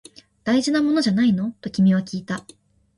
大事なものじゃないの？と君はきいた